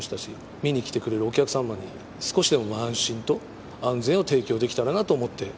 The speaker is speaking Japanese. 見に来てくれるお客様に、少しでも安心と安全を提供できたらなと思って。